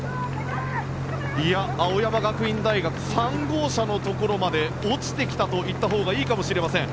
青山学院大学３号車のところまで落ちてきたと言ったほうがいいかもしれません。